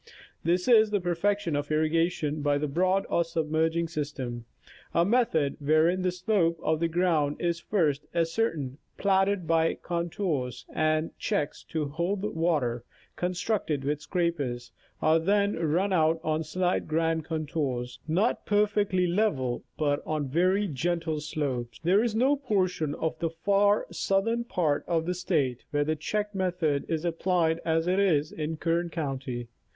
This is the perfection of irrigation by the broad or submerging system, — a method wherein the slope of the ground is first ascertained, platted by contours, and the checks to hold the water, constructed with scrapers, are then run out on slight grade contours — not perfectly level, but on very gentle slopes. There is no portion of the far southern part of the State where the check method is applied as it is in Kern county.